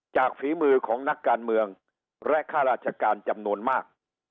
ฝีมือของนักการเมืองและข้าราชการจำนวนมาก